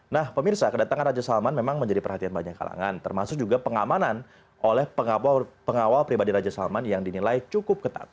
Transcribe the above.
nah pemirsa kedatangan raja salman memang menjadi perhatian banyak kalangan termasuk juga pengamanan oleh pengawal pribadi raja salman yang dinilai cukup ketat